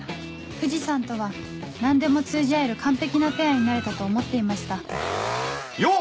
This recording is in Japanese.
藤さんとは何でも通じ合える完璧なペアになれたと思っていましたよっ！